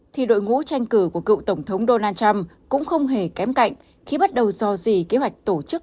thì đội ngũ tranh cử của cựu tổng thống donald trump cũng không hề kém cạnh khi bắt đầu do gì kế hoạch tổ chức